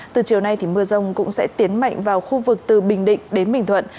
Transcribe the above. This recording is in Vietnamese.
từ chiều nay mưa rông cũng sẽ tiến mạnh vào khu vực từ bình định đến bình thuận